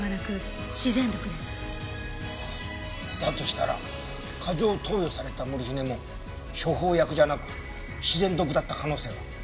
したら過剰投与されたモルヒネも処方薬じゃなく自然毒だった可能性も。